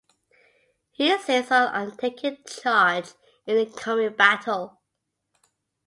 He insists on taking charge in the coming battle.